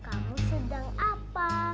kamu sedang apa